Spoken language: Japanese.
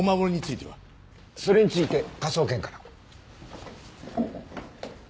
それについて科捜研から。